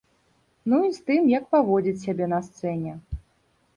Ну і з тым, як паводзіць сябе на сцэне.